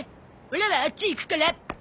オラはあっち行くから。